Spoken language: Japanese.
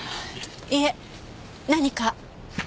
いえ何か？